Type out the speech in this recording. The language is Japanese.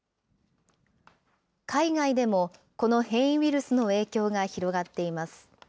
海外でも、この変異ウイルスの影響が広がっています。